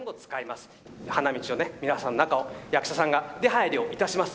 花道を、皆さんの中を役者さんが出はいりをします。